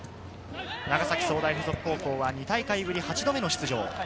長崎総大附属高校は２大会ぶり８度目の出場。